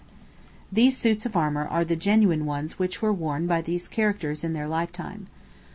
These suits of armor are the genuine ones which were worn by these characters in their lifetime.